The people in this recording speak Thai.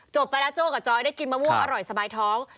ไปแล้วโจ้กับจอยได้กินมะม่วงอร่อยสบายท้อง